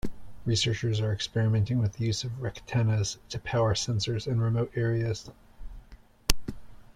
Researchers are experimenting with the use of rectennas to power sensors in remote areas.